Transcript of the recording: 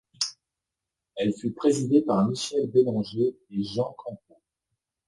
Elle fut présidée par Michel Bélanger et Jean Campeau.